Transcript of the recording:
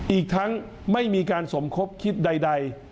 อีกทั้งไม่มีการสมคบคิดใด